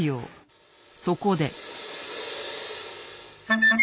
そこで。